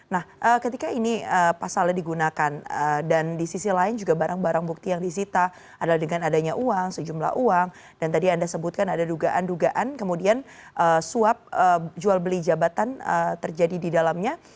nah ketika ini pasalnya digunakan dan di sisi lain juga barang barang bukti yang disita adalah dengan adanya uang sejumlah uang dan tadi anda sebutkan ada dugaan dugaan kemudian suap jual beli jabatan terjadi di dalamnya